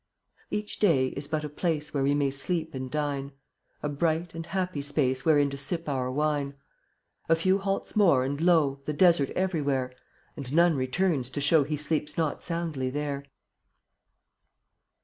Each day is but a place Where we may sleep and dine, A bright and happy space Wherein to sip our wine. A few halts more and lo! The desert everywhere; And none returns to show He sleeps not soundly there.